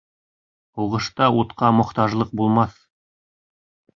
— Һуғышта утҡа мохтажлыҡ булмаҫ...